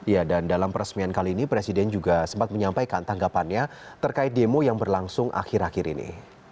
ya dan dalam peresmian kali ini presiden juga sempat menyampaikan tanggapannya terkait demo yang berlangsung akhir akhir ini